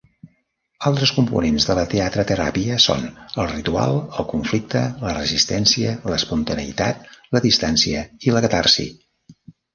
Altres components de la teatreteràpia són el ritual, el conflicte, la resistència, l'espontaneïtat, la distància i la catarsi.